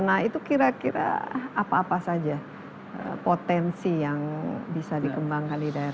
nah itu kira kira apa apa saja potensi yang bisa dikembangkan di daerah